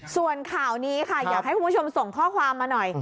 ส่วนข่าวนี้ค่ะอยากให้คุณผู้ชมส่งข้อความมาหน่อย